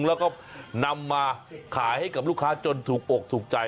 แล้วก็นำมาขายให้กับลูกค้าจนถูกอกถูกใจ